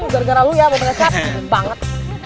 gara gara lu ya buat ngechat